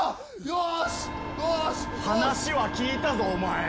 ・話は聞いたぞお前。